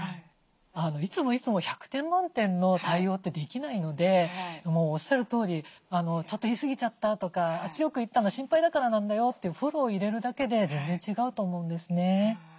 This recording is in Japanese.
いつもいつも１００点満点の対応ってできないのでもうおっしゃるとおり「ちょっと言い過ぎちゃった」とか「強く言ったのは心配だからなんだよ」ってフォロー入れるだけで全然違うと思うんですね。